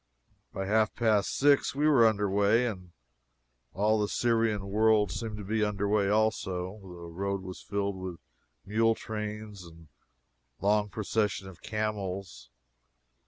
By half past six we were under way, and all the Syrian world seemed to be under way also. The road was filled with mule trains and long processions of camels.